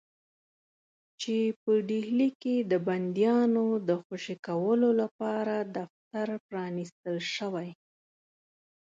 چې په ډهلي کې د بندیانو د خوشي کولو لپاره دفتر پرانیستل شوی.